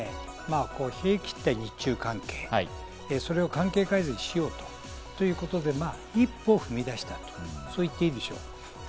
冷え切った日中関係、それを関係改善しようということで一歩踏み出したと、そう言っていいでしょう。